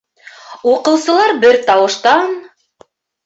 Уҡыусылар бер тауыштан: